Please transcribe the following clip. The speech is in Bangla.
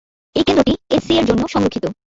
এই কেন্দ্রটি এসসি এর জন্য সংরক্ষিত।